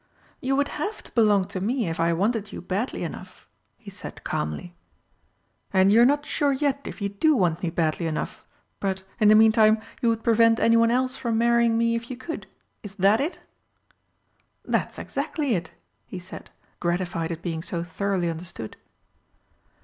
"You would have to belong to me, if I wanted you badly enough," he said calmly. "And you're not sure yet if you do want me badly enough, but, in the meantime, you would prevent anyone else from marrying me if you could is that it?" "That's exactly it!" he said, gratified at being so thoroughly understood.